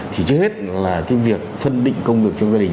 thì trước hết là cái việc phân định công việc trong gia đình